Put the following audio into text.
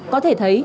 có thể thấy